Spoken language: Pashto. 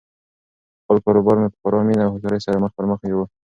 خپل کاروبار مې په خورا مینه او هوښیاري سره پرمخ یووړ.